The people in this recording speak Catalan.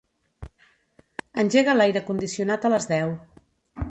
Engega l'aire condicionat a les deu.